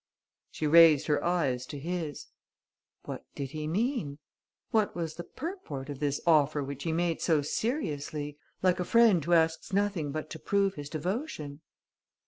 She raised her eyes to his. What did he mean? What was the purport of this offer which he made so seriously, like a friend who asks nothing but to prove his devotion?